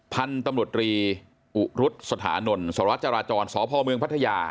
ผันตำรวจตรีอุรุษธสภานนวลสวรรคฯจรจรศพเมืองพัทยา